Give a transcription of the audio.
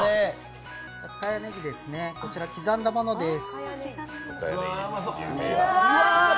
深谷ねぎですね、こちら刻んだものです。